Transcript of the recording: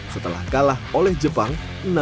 setelah kalah oleh jepang enam lima belas